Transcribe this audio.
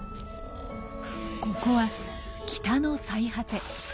ここは北の最果て。